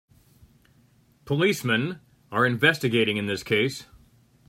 Policemen are investigating in this case.